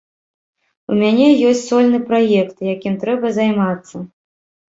У мяне ёсць сольны праект, якім трэба займацца.